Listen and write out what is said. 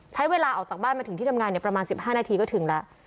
ใช้เวลาออกจากบ้านมาถึงที่ทำงานประมาณ๑๕นาทีก็ถึงแล้ว